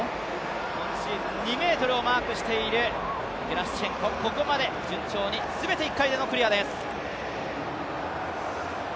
今シーズン２ｍをマークしているゲラシュチェンコ、ここまで順調に全て１回でのクリアです。